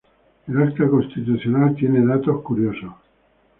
El acta constitucional tiene datos curiosos.